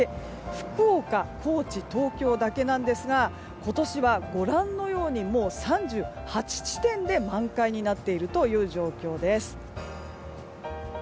福岡、高知、東京だけなんですが今年はご覧のように３８地点で満開になっている状況です。